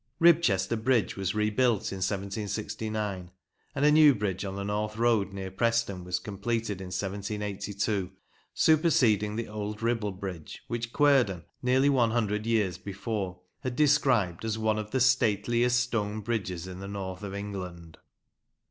Ribchester bridge was rebuilt in 1769, and a new bridge on the north road near Preston was completed in 1782, superseding the old Ribble bridge, which Kuerden, nearly one hundred years before, had described as "one of the statelyest stone bridges in the North of England."